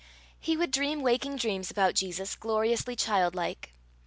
He would dream waking dreams about Jesus, gloriously childlike.